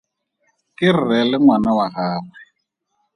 Ke rre le ngwana wa gagwe.